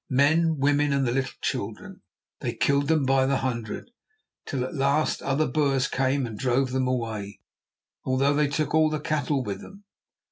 Men and women and the little children, they killed them by the hundred, till at last other Boers came and drove them away, although they took all the cattle with them.